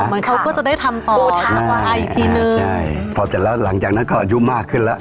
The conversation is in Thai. เหมือนเขาก็จะได้ทำต่ออีกทีนึงใช่พอจากแล้วหลังจากนั้นก็อยู่มากขึ้นแล้ว